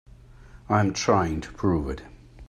I'm trying to prove it.